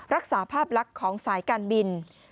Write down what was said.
รักษาภาพลักษณ์ของสายการบิน